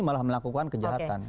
malah melakukan kejahatan